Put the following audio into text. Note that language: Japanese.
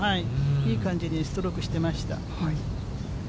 いい感じにストロークしてました。